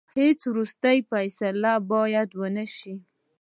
هیڅ وروستۍ فیصله باید ونه سي.